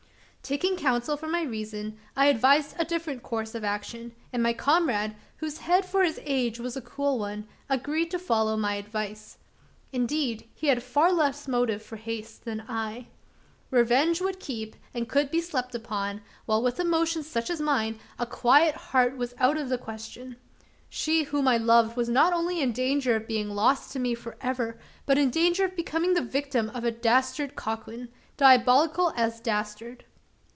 Taking counsel from my reason, I advised a different course of action; and my comrade whose head for his age was a cool one agreed to follow my advice. Indeed, he had far less motive for haste than I. Revenge would keep, and could be slept upon; while with emotions such as mine, a quiet heart was out of the question. She whom I loved was not only in danger of being lost to me for ever, but in danger of becoming the victim of a dastard coquin diabolic as dastard!